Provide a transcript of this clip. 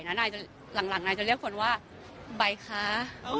หว่านโจทย์ฟังเสียงหน่อยค่ะ